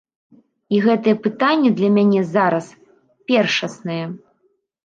І гэтае пытанне для мяне зараз першаснае.